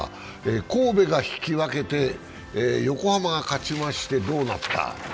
神戸が引き分けて横浜が勝ちましてどうなった。